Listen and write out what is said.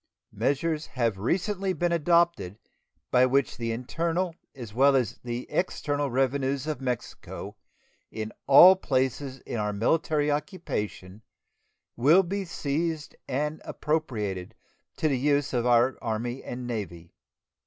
Measures have recently been adopted by which the internal as well as the external revenues of Mexico in all places in our military occupation will be seized and appropriated to the use of our Army and Navy.